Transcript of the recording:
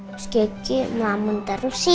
miss gigi mau menterusi